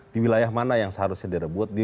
di wilayah mana yang seharusnya direbut